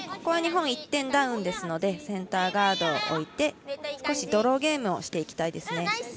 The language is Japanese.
日本は１点ダウンですのでセンターガードを置いて少しドローゲームをしていきたいです。